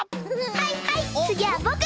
はいはいつぎはぼく！